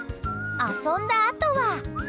遊んだあとは。